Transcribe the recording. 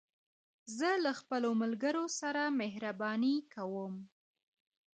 زه له خپلو ملګرو سره مهربانې کوم.